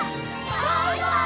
バイバイ！